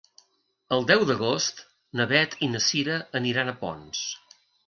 El deu d'agost na Beth i na Cira aniran a Ponts.